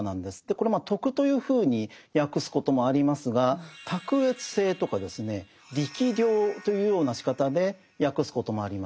これ「徳」というふうに訳すこともありますが「卓越性」とか「力量」というようなしかたで訳すこともあります。